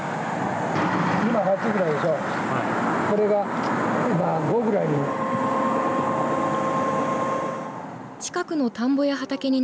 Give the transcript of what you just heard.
これが今５ぐらいに。